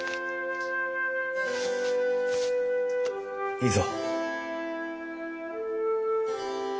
いいぞ。